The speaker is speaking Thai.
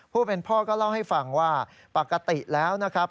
ผู้เป็นพ่อก็เล่าให้ฟังว่าปกติแล้วนะครับ